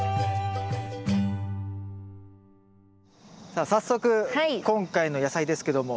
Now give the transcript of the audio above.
さあ早速今回の野菜ですけども。